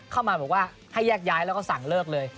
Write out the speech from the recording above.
เข้ามาบอกว่าให้แยกย้ายแล้วก็สั่งเลิกเลย